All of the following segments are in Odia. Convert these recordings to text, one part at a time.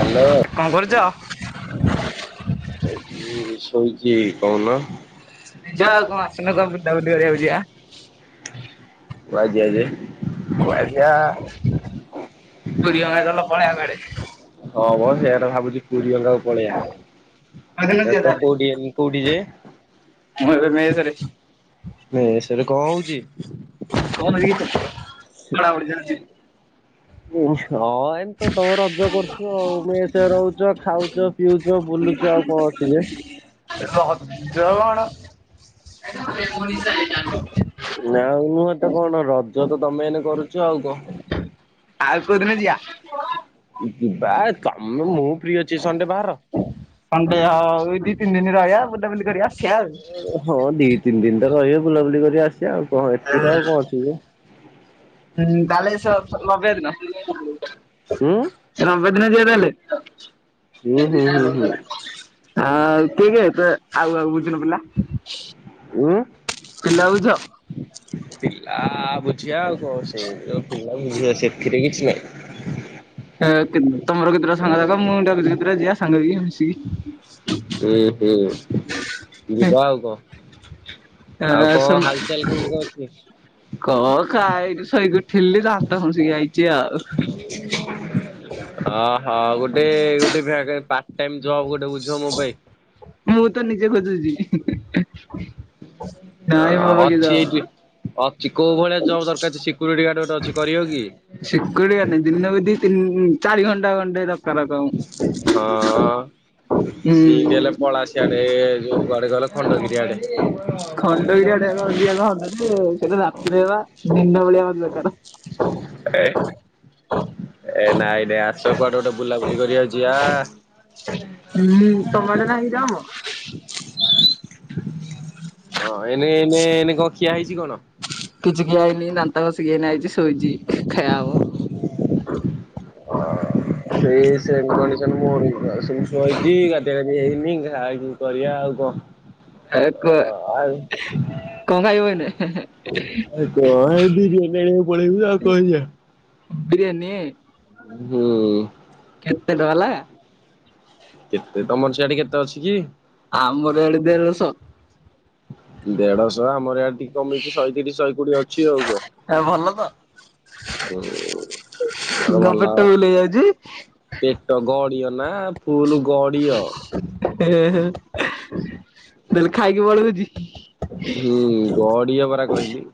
ହ୍ୟାଲୋ କଣ କରୁଛ? ଏଠି ଏଇ ଶୋଇଚି। କି କହୁନ। ଯ ଆଉ କଣ ଆସୁନ କଣ ବୁକାବୁଲି କରିବାକୁ ଯିବା। ଖୁଆ ଦିଆ ଯାଏ। କୁଆଖିଆ ହଁ ମ ସେଇଆ ତ ଭାବୁଚି ପୁରୀ ଜାଗା କୁ କୋଉଦିନ ପଳେଇବା। ଯିବା ଏତ କୋଡ଼ି କୋଡି ଯେ? ଆମ ମେଶ ରେ ସେଠି କଣ ହଉଛି। ବଡ଼ ବଡିଯଛି ହଁ ଏମି ତ ତମେ ରଜ କରୁଛ ଆଉ ମେଶରେ ରହୁଛ ଖାଉଛ ପିଉଛ ବୁଲ ବୁଲୁଛୁ ଆଉ କଣ ଅଛି ଯେ ରଦଣ ନା ଆଉନୁହେତ କଣ ରଜ ତ ତମେମାନେ କରୁଛ ଆଉ କ ଆଉ କେଉଦିନ ଯିବା ଯିବା ତମେ ମୁଁ ପ୍ରିୟ ଅଛି ସଣ୍ଡେ ବାହାର ଖଣ୍ଡେ ଆଉ ଦୁଇ ତିନି ଦିନ ରହିବା ବୁଲାବୁଲି କରିବା। ହଁ ଦି ତିନି ଦିନଟା ରହିବେ ବୁଲାବୁଲି କରି ଆସିବା ଆଉ କଣ ଏଥିରେ ହଁ ଆଉ କଣ ଅଛି ଯେ କାଲି ସ ନବେ ଦିନ ହୁଁ ନବେ ଦିନ ଯିବା ତାହାହେଲେ ହୁଁ ହୁଁ ହୁଁ ହୁଁ ଆ କେ କେ ତ ଆଉ ଆଉ ବୁଝୁନ ପିଲା। ଓଁ ପିଲା ବୁଝ। ପିଲା ବୁଝିବା ଆଉ କଣ ସେ ଯୋଉ ପିଲା ବୁଝିବା ସେଥିରେ କିଛି ନାହିଁ ହ। ତମର କେତେଟା ସାଙ୍ଗ ସାାଗା ମୁଁ କେତେଟା ଯିବା ସାଙ୍ଗ ମିଶିକି ଓହୋ ହେଁ ଯିବା ଆଉ କଣ। ଆଉ ଏ କଣ ସମ୍ ହାଲଚାଲ କେମିତି କଣ ଅଛି? କ ଖାଇନି ଶୋଇକି ଉଠିଲି ଦାନ୍ତ ଘସିକି ଆାଇ [unintelligible] ହଁ ଗୋଟେ ଗୋଟେ ଟ ଜବ ଗୋଟେ ବୁଝ ମୋ ପାଇଁ ମୁଁ ତ ନିଜେ ଅଛି ଏଇଠି [inaudible] ଅଛି କୋଉ ଭଳିଆ ଜବ ଦରକାର ସିକ୍ୟୁରିଟି ଗାର୍ଡ ଗୋଟେ ଅଛି କରିବ କି? ତିନ ଚାରି ଘଣ୍ଟା ଘଣ୍ଟା ଦକ୍କାର ସିଏବି ହେଲେ ପଳାଶିଆଡେ ଯୋଉଆଡେ ଗଲେ ଖଣ୍ଡଗିରି ଆଡେ। [inaudible] [inaudible] ଏ ନାଇଁ ନାଇ ଆସ କୁଆଡେ ଗୋଟେ ବୁଲାବୁଲି କରିବାକୁ ଯିବା। [inaudible] ହଁ ଏନେ ଏନେ ଏନେ କଣ ଖିଆ ହେଇଛି କଣ? କିଛି ଖିଆହେଇନି ଦାନ୍ତ ଘସି କିି ଆଇଛି ଶୋଇଛି ଖାଇଆ ହବ। ହଁ ସେଇ ସେମ୍ କଣ୍ଡିସନ ମୋର ଶୋଇଛି ଗାଧୁଆ ଗାଧେଇ ହେଇକି ମି ଖାକ କରିବା ଆଉ କଣ ଏକ ଆଉ କଣ ଖାଇବୁ ଏନେ? କଣ ଏ ବିରିୟାନୀ ଆଣିବାକୁ ପଳେଇବୁ ଆଉ କଣ କରିବା। ବିରିୟାନୀ ହୁଁ କେତେଟ ବାଲା କେତେ ତମର ସିଆଡ଼େ କେତେ ଅଛି କି? ଆମର ଆଡେ ଦେଢଶହ। ଦେଢଶହ ଆମର ଟିକେ କମେଇଛି ଶହେତିରିଶ ଶହେ କୋଡିଏ ଅଛି। ହୁଁ [inaudible] ଭଲ ପେଟ ଗଡିୟ [inaudible] ନା ଫୁଲ ଗଡିଅ। ଦେଲେ ଖାଇକି ବଳ ହଉଛି। ହୁଁ ଗଡିଆ ପରା କହିଲି।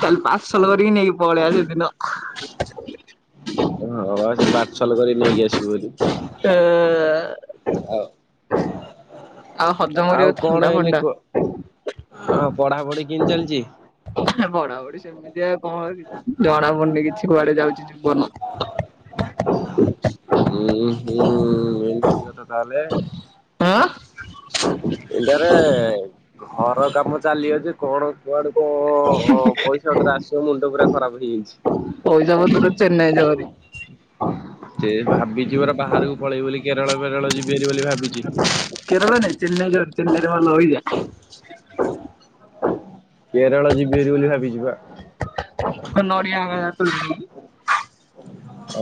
ତା ପାର୍ସଲ କରିକି ନେଇକି ପଳେଇଆ ସେଦିନ। ଓ ହଁ ସେ ପାର୍ସଲ କରି ନେଇକି ଆସିବେ ବୋଲି। ଏ ଆଉ ଆଉ ହଜମ କରିବାକୁ ଥଣ୍ଡା, ଫଣ୍ଡା। ଓ ପଢା଼ପଢି଼ କେମିତି ଚାଲିଛି? ପଢା଼ପଢି଼ ସେମିତିଆ କଣ ଜଣା ପଡୁନି କିଛି କୁଆଡେ ଯାଉଛି ଜୀବନ। ହୁଁ- ହୁଁ ଏମିତି କଥା ତାହଲେ? ଆଁ ଏଠାରେ ଘର କାମ ଚାଲି ଅଛି କଣ କୁଆଡୁ କ-, ପଇସା ପତର ଆସିବ ମୁଣ୍ଡ ପୁରା ଖରାପ ହେଇଯାଇଛି। ଜବଳ ତୁର ଚେନ୍ନାଇ [unintelligible] ସେ ଭାବିଛି ପରା ବାହାରକୁ ପଳେଇବି ବୋଲି। କେରଳ, ବେରଳ ଯିବି ବୋଲି ଭାବି କେରଳ ନେ ଚେନାଇଜୋର [inaudible] କେରଳ ଯିବି ହେରି ବୋଲି ଭାବିଛି ପା। [inaudible]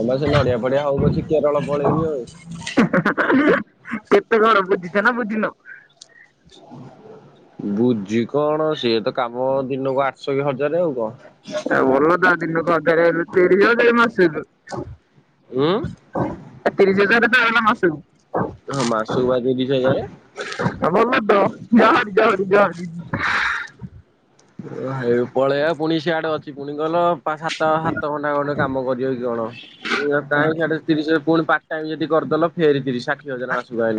ଆମେ ସେ ନଡିଆ, ପଡିଆ ହଉ ପଛେ, କେରଳ ପଳେଇବି ଆଉ। କେତେ ଘର ବୁଝିଛ ନା ବୁଝିନ? ବୁଝି କଣ ସିଏ ତ କାମ ଦିନକୁ ଆଠଶହ କି ହଜାରେ ଆଉ କଣ। ଭଲ ତ ଦିନକୁ ହଜାରେ ହେଲେ, ତିରିଶି ହଜାର, ମାସକୁ। ଉଁ ତିରିଶ ହଜାର ତ ହେଲା ମାସକୁ। ହଁ ମାସ କୁ ବା ତିରିଶି ହଜାରେ। ଯା ହାରି, ଯା ହାରି, ଯା ହାରି। ଓ ପଳେଇବା ପୁଣି ସିଆଡେ ଅଛି ପୁଣି ଗଲ ପା, ସାତ, ସାତ ଘଣ୍ଟା ଖଣ୍ଡେ କାମ କରିବ କି କଣ? କାଇଁ ସିଆଡେ ତିରିଶ ପୁଣି ପା ଟାଇ ଯଦି କରିଦଲ ଫେରେ ତିରି- ସାଠି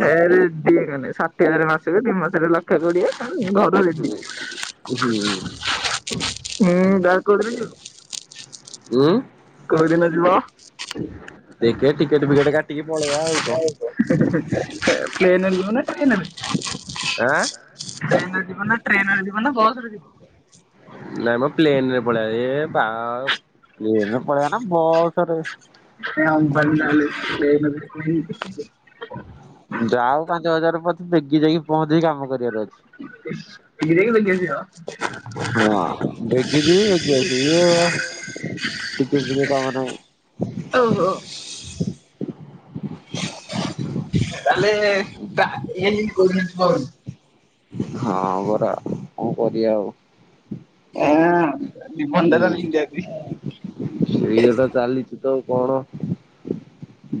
ଏରେ ଦି କ ଷାଠିଏ ହଜାର ମାସ ତିନି ମାସରେ ଲକ୍ଷ କୋଡିଏ। ଘରୁ ରେଡି ହୁଁ ହୁଁ ହୁଁ ବା କଡି ଉଁ କଉଦିନ ଯିବ? ଦେଖେ ଟିକେଟ ଫିକେଟ କାଟିକି ପଳେଇବା ଆଉ କଣ ପ୍ଲେନ ରେ ଯିବ ନା ଟ୍ରେନ? ଆଁ ପ୍ଲେନ ରେ ଯିବ ନା, ଟ୍ରେନରେ ଯିବ ନା, ବସରେ ଯିବ? ନାଇଁ ମ ପ୍ଲେନରେ ପଳିବା। ବା, ପ୍ଲେନରେ ପଳେଇବା ନା ବସ ରେ। ବ [unintelligible] ଯାଉ ପାଞ୍ଚ ହଜାର ପଛେ, ଦେଗୀ ଯାଇକି ପହଞ୍ଚିକି କାମ କରିବାର ଅଛି। ଏ ଦେଖ ଦେ କେସିିବା ହଁ ବେଗି ଯିବି ବେଗି ଆସିବି ଇଏ [unintelligible] ଟିକେ ବି କାମ ନାଇଁ। ଓ ହୋ। ତାହଲେ ଏ କର [unintelligible] ହଁ ପରା କଣ କରିବା ଆଉ? ହଁ ଉଁ ନିନ୍ଦାରଲ ହଡି ଆଗି [unintelligible] ସେଇ କଥା ଚାଲିଛି ତ। କଣ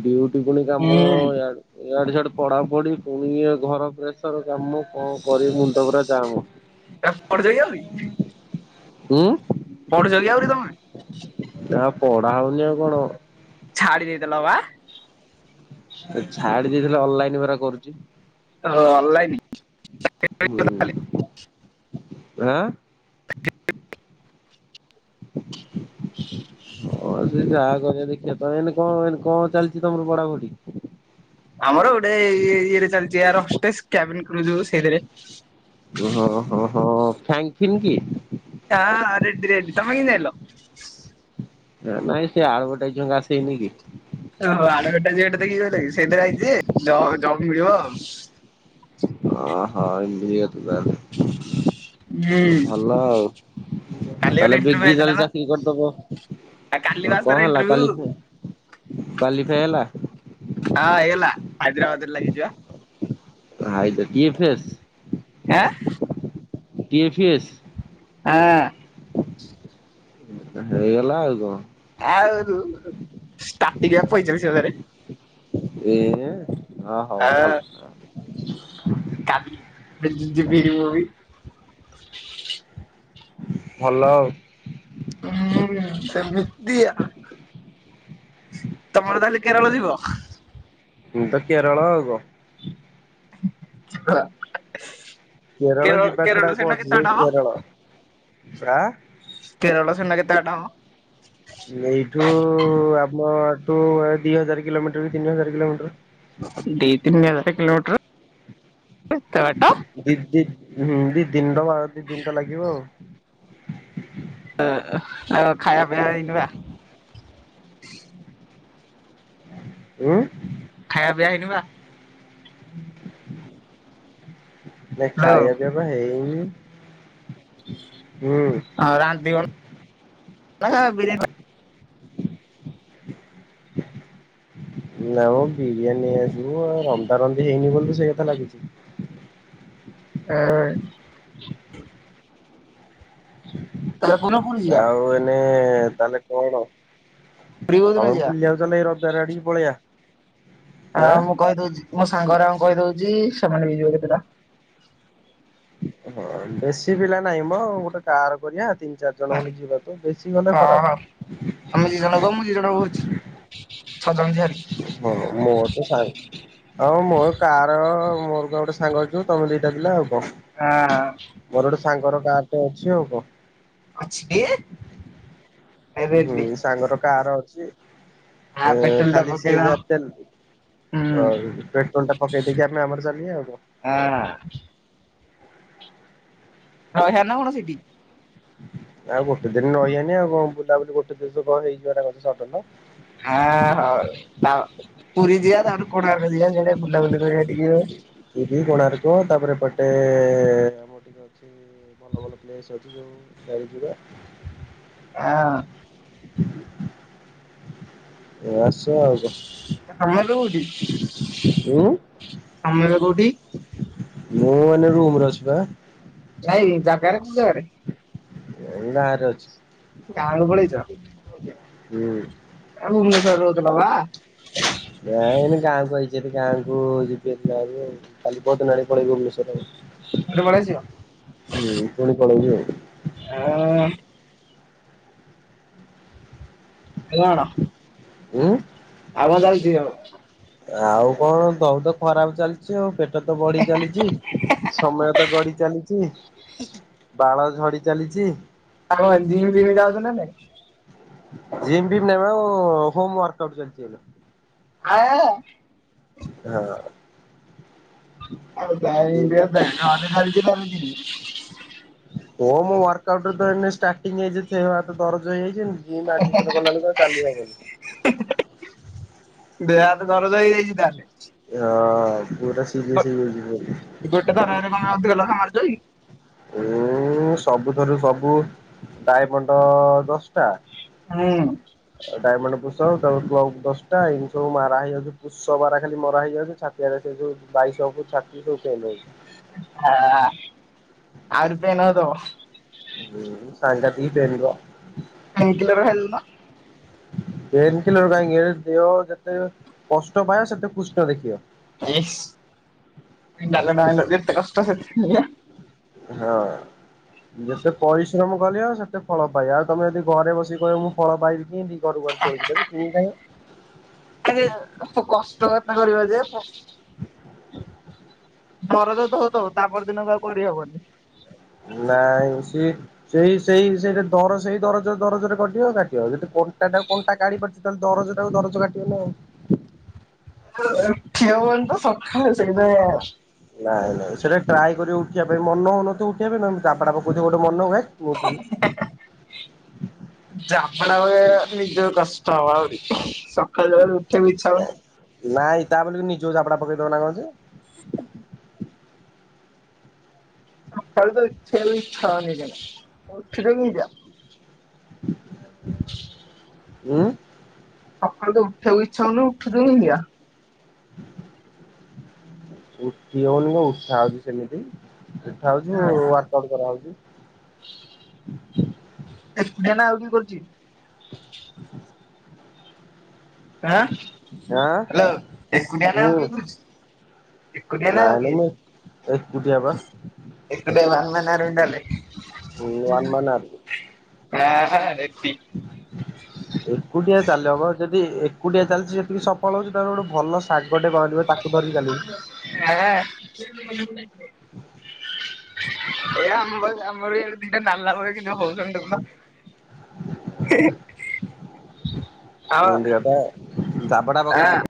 ଡିଉଟି ପୁଣି କାମ ହୁଁ। ଇଆଡେ। ଇଆଡେ ସଆଡେ ପଢାପଢି ପୁଣି ଇ ଘର ପ୍ରେସର କାମ କଣ କରି ମୁଣ୍ଡ ପରା ଯାମ। ତାପ ଯାଇ ଯି [unintelligible] ଉୁଁ। ପଢ଼ୁ ଯୋଗି ଆରି ତମେ [unintelligible] ନା ପଢା ହଉନି ଆଉ କଣ। ଛାଡ଼ି ଦେଇ ଥିଲ ବା? ଛାଡି ଦେଇଥିଲେ ଅନଲାଇନ ପରା କରୁଛି। ହ ଅନଲାଇନ। ହୁଁ [unintelligible] ଆଁ। ହଁ ଯାହା କରିବା ଦେଖିବା ତ ଏଇନା କଣ ଏଇନା କଣ ଚାଲିଛି ତମର ପଢ଼ାପଢ଼ି? ଆମର ଗୋଟେ ଇଏରେ ଚାଲିଛି [unintelligible] ସେଇଥିରେ। ହଁ ହ ହଁ ଫ୍ୟାଙ୍କ ଫିନ୍ କି? ହଁ ରେଡିି ରେଡି ତମେ କେମିତି ଜାଣିଲ? ନାଇଁ ସେ ଆଡଭରଟାଇଯ ଆସେଇନି କି? ଓ ହୋ ଆଡଟାଇଯ [unintelligible] ଦେଖିଚ ସେଇଟାକି, ସେଇଟାରେ ଆଇଛି ଯେ ଜବ ମିଳିବ ଆଉ। ହ ହଁ ଏମତି କି କଥା ତାହାଲେ ହୁଁ ଭଲ ଆଉ। କାଲି ଗୋଟେ ତାହେଲେ ଇଣ୍ଟରଭ୍ୟୁ ବିଗି ହେଇଥିଲା ତାଲେ ବା। ଚାକିରୀ କରିଦବ କାଲି ବା ଆ କଣ ତାର ହେଲା ଇଣ୍ଟରଭ୍ୟୁ କାଲି ହଁ [unintelligible] କ୍ଵାଲିଫାଇ ହେଲା? ହଁ ହେଇଗଲା ହାଇଦ୍ରାବାଦରେ ଲାଗିଯିବା। ଭାଇ ତ କିଏ ଫେସ୍। ଆଁ। ଟିଏ ଫିଏ ଏସ ଆଁ। ହେଇଗଲା ଆଉ କଣ? ଆଉ ଷ୍ଟାର୍ଟିଂ ବା ପଇଁଚାଳିଶ ହଜାରେ। ଏ ହେ ହଁ ଆ ହୋଉ ଭଲ। କାଲି [unintelligible] ଭଲ ଆଉ। ହୁଁ ସେମିତିଆ ତମର ତାହେଲେ କେରଳ ଯିବ? ମୁଁ ତ କେରଳ ଆଉ କଣ? [unintelligible] କେରଳ ଯିବା ଛଡା, କେରଳ ଆଉ କଣ ସେନା ଅଛି କେତେ ଯେ ବାଟ ହବ? କେରଳ ଆଁ କେରଳ ସେନା କେତେ ବାଟ ହବ? ଏଇଠୁ ଆ ନଆ ଠୁ ଏଇ ଦି ହଜାର କିଲମିଟର କି ତିନି ହଜାର କିଲମିଟର ଦି ତିନି ହଜାର କିିଲୋମିଟର ଏତେ ବାଟ ଦି ଦି ହୁଁ ଦି ତିନି ଘଣ୍ଟା ବା ଦି ଦିନିତ ଲାଗିବ ଆଉ। ଅ ଆ ଖାଇବା ପିଇବା ହେଇନି ବା। ଉଁ। ଖାଇବା ପିଇବା ହେଇନି ବା। ନାଇଁ ହ୍ୟାଲୋ ଖାଇବା ପିଇବା ତ ହେଇନି ହୁଁ। ହଁ ରାନ୍ଧିବ ନା ବି ନାମ ବିରିୟାନୀ ନେଇ ଆସିବୁ ଆଉ, ରନ୍ଧା ରନ୍ଧି ହେଇନି ବୋଲି ସେଇ କଥା ଲାଗିଛି ଆ। କୋଉଦିନ ପୁରୀ ଯିବା ଆଉ ଏଇନେ। ତାହେଲେ କଣ ପୁରୀ କୋଉଦିନ ଆଉ ଯିବା? ବୁଲିଯାଉଚ ନା ଏଇ [unintelligible] ପଳେଇଆ ଆଉ ମୁଁ କହିଦଉଚି ମୋ ସାଙ୍ଗରାଙ୍କୁ କହିଦଉଛି, ସେମାନେ ବି ଯିବେ କେତେଟା ବେଶି ପିଲା ନାହିଁ ମ, ଗୋଟେ କାର କରିଆ। ତିନ ଚାର ଜଣେ ହଁ ଖଣ୍ଡେ ଯିବା ତ ବେଶି ଗଲେ ଖରାପ୍ ହଁ। ଆମେ ଦି ଜଣ ଗମୁ ଦି ଜଣ କହୁଛି [unintelligible] ଛଅ ଜଣ ଝିଆରି। ହଁ ମୋରତ ସାଙ୍ଗ ହଉ ମୋର କାର, ମୋର ତ ଗୋଟେ ସାଙ୍ଗ ଅଛି ତମେ ଦିଟା ପିଲା ଆଉ। କଣ ମୋର ଗୋଟେ ହଁ। ସାଙ୍ଗର କାର ଟେ ଅଛି ଆଉ କଣ। ଅଛି ଟି ହୁଁ ରେଡି ସାଙ୍ଗର କାର ଅଛି ଆ ଏଁ ପେଟ୍ରୋଲ ଟା ଖାଲି ସିଏ ପକେଇଦବା ଯାହା ତେ ହୁଁ। ଅ ପେଟ୍ରୋଲଟା ପକେଇ ଦେଇ କି ଆମେ ଆମର ଚାଲିବା ଆଉ କଣ। ହଁ। ରହିବାନା କଣ ସେଟିି? ଆଉ ଗୋଟେ ଦିନ ରହିବାନି ଆଉ କଣ ବୁଲାବୁଲି ଗୋଟେ ଦିନରେ କଣ ହେଇଯିବନା କଣ ସଡନ। ହଁ ହଉ ତା ପୁରୀ ଯିିବା ତାପରେ କୋଣାର୍କ ଯିବା ସିଆଡେ ବୁଲା ବୁଲି କରିବା। ଟିକେ ହଁ। ପୁରୀ କୋଣାର୍କ ତାପରେ ଏପଟେ ଆମର ପ୍ଲେସ ଅଛି ଯୋଉ [inaudible] ଯିବା। ଆଂ। ଏ ଆସ ଆଉ କ ତମେ ଏବେ କୋଉଠି ଉଁ। ତମେ ଏବେ କୋଉଠି? ମୁଁ ଏଇନା ରୁମରେ ଅଛି ପା। ନାଇଁ ଜାଗରେ କୋଉ ଜାଗାରେ? ଗାଁରେ ଅଛି। ଗାଁକୁ ପଳେଇଚ? ହୁଁ। ଆ ଭୁବନେଶ୍ଵରରେ ରହୁଥିଲ ବା? ନା ଏନା ଗାଁକୁ ଆଇଚି ହେରି ଗାଁ କୁ ଯିବି ଏ କାଲି ପର୍ଦିନ ଆଡକୁ ପଳେଇବି ଭୁନେଶ୍ୱର ଆଉ। ଏବେ ପଳେଇ ଆସିବ ହୁଁ ପୁଣି ପଳେଇବି ଆଉ। ଆଁ। ମେଲଣ ଉଁ। ହଁ ଯାଉଚି ହଁ। ଆଉ କଣ ଦହୁଦ ଖରାପ ଚାଲିଚି ଆଉ ପେଟ ତ ବଢି ଚାଲିଚି ସମୟ ତ ଗଢି ଚାଲିଚି। ହ ବାଳ ଝଡି ଚାଲିଚି। ଆଉ ସେ ଜିମ ଜିମ ଯାଉଚ ନାଇଁ? ଜିମ ଫିମ ନେବା ଆଉ ହୋମ ୱାର୍କ ଆଉଟ ଚାଲିଚି ଏବେ। [unintelligible] ହଁ। ଜିମ୍ ନାଇଁ। [unintelligible] ହୋମ ୱାର୍କ ଆଉଟରେ ତ ଏଇନା ଷ୍ଟାର୍ଟିଂ ହେଇଚି ଦେହ ହାତ ଦରଜ ହେଇଯାଇ ଚି ଜିମ ଆଡମିସନ କଲାବେଳକୁ ଆଉ ଚାଲି ହବନି। ଦେହ ହାତ ଦରଜ ହେଇଯାଇଚି ତାହେଲେ। ହଁ ପୁରା ସିରିୟସ୍ ହେଇଯାଇଛି [unintelligible] ପୁରା ମାରୁଚ କି ଉଁ ସବୁଠାରୁ ସବୁ ଡାଇମଣ୍ଡ ଟା ହୁଁ ଡାଇମଣ୍ଡ ପୁଷ [unintelligible] ଦଶଟା ଏମିତି ପୁଷ ମାରା ହେଇଯାଉଚି ପୁଷ ମାରା ଖାଲି ମରା ହେଇଯାଉଚି ଛାତିରେ ସେ ଯୋଉ ବାଇ ସବୁ ଛାତି ସବୁ ପେନ ରହୁଚି। ଆ ଆହୁରି ପେନ୍ ହୋଉଥିବ। ହୁଁ ସାଙ୍ଗାଦିକ ପେନ ପା। ପେନ୍ କିଲର ଖାଇଦଉନ ପେନ କିଲର କାହିଁକି ଖାଇବ ଦେହ ଯେତେ କଷ୍ଟ ପାଇବ ସେତେ କୃଷ୍ଣ ଦେଖିବ। ଇସ୍ କି ଡାଇଲକଟା ମାଇଲ ଯେତେ କଷ୍ଟ ସେ [unintelligible] ହଁ। ଯେତେ ପରିଶ୍ରମ କରିବ ସେତେ ଫଳ ପାଇବ ଆଉ ତମେ ଯଦି ଘରେ ବସିକି କହିବ ମୁଁ ଫଳ ପାଇବି କେମିତି। ଭଗବାନ ତୋଳି କିି ଦେବେ କିଣିଛି ଖାଇବ। [unintelligible] କଷ୍ଟ କାଇଁ କରିବା ଯେ [unintelligible] ଧୋଉଥିବ ତାପର ଦିନକୁ ଆଉ କରିହବନି। ନାଇଁ ସି-ସେଇ- ସେଇ-ସେଇଟା ଦରଜ ସେଇ ଦରଜ ଦରଜରେ କଟିବ କାଟିବ କଣ୍ଟା ଟା କଣ୍ଟା କାଢି ପାରୁଚଛି ତାହେଲେ ଦରଜ ଟାକୁ ଦରଜ କାଟିବନି ଆଉ। ଠିଅ ବ ତ ସକାଳେ ସେଇଯା। ନାଇଁ ନାଇଁ ସେଟା ଟ୍ରାଇ କରି ଉଠିବା ପାଇଁ ମନ ହଉନଥିବ ଉଠିବା ପାଇଁ ଜା ବଡା କହୁଛ ଗୋଟେ ମନ ହ କୁଏ ଯାପଡା ବଳେ ନିଜ କଷ୍ଟ ହହୁରି ସକାଳୁ ସକାଳୁ ଉଠିବାକୁ ଇଚ୍ଛା ହଉନି। ନାଇଁ ତା ବୋଲି ନିଜୋଉଝାପଡା ପକେଇଦବ ନା କଣେ ସ ଫଳ ତଛଛାଟ ଯ ଉଁ ସକାଳୁ ତ ଉଠେଇକୁ ଇଚ୍ଛା ହଉନି ଉଠୁଦନି ଦଆ। ଉଠି ହଉନି କ ଉଠା ହଉଛି ସେମିତି ଦେଖା ହଉଛୁ ାଟ କରାହଉଛି ଏକୁଟିଆ ନା ଆଉ କିଏ କରୁଛି? ହଁ ଆଁ ହ୍ୟାଲୋ ଏ କଟଆ ନାମ ହୁଁ। କଧୁଛି ଏକୁଟିଆ ନା ଆଉ ନାଇଁ ନାଇଁ କିଏ ମୁଁ ଏକୁଟିଆ ବା ଏଡାନ ମାନରେଣ୍ଡ ହଁ ନ୍ ମନ୍ଦା ହଁ ହ ଏକୁଟିଆ ଚାଲି ହବ ଯଦି କୁଟିଆ ଚାଲିଛି ସେତିକି ସଫଳ ହଉଛି ଗୋଟେ ଭଲ ଶାଗ ଆ ଏ ଆମ୍ବ ଆମରଡେ ଦିଟା ନାଲା ହଏ କି [inaudible] ହଉସ ଟୁ ବା [inaudible] ଏମିତି କଥା ଜାବଡ଼ା ପକା ଆଁ ହେ